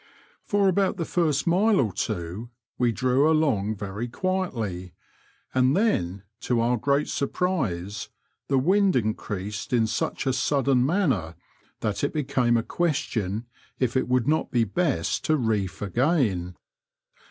For about the first mile or two we drew along very quietly, and then, to our great surprise, the wind increased in such a sudden manner that it became a question if it would not be best to reef again.